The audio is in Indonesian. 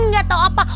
gak tau apa